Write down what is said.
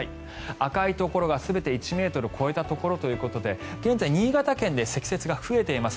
赤いところが全て１ｍを超えたところということで現在、新潟県で積雪が増えています。